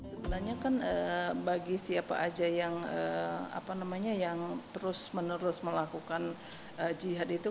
sebenarnya kan bagi siapa aja yang terus menerus melakukan jihad itu